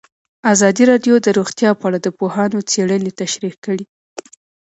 ازادي راډیو د روغتیا په اړه د پوهانو څېړنې تشریح کړې.